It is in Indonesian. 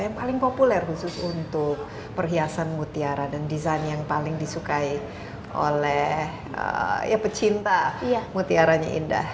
yang paling populer khusus untuk perhiasan mutiara dan desain yang paling disukai oleh pecinta mutiaranya indah